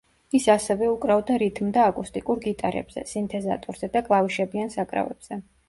ის ასევე უკრავდა რითმ და აკუსტიკურ გიტარებზე, სინთეზატორზე და კლავიშებიან საკრავებზე.